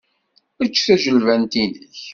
Ečč tajilbant-nnek.